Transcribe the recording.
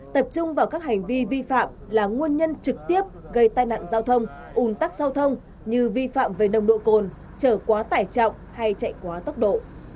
tập trung vào các hành vi vi phạm là nguồn nhân trực tiếp gây tai nạn giao thông ủn tắc giao thông như vi phạm về nồng độ cồn trở quá tải trọng hay chạy quá tốc độ